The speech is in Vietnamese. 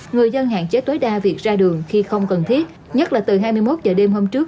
người dân hạn chế tối đa việc ra đường khi không cần thiết nhất là từ hai mươi một giờ đêm hôm trước